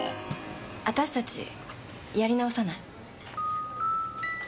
私たち、やり直さない？